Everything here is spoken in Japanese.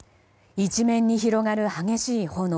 一面に広がる激しい炎。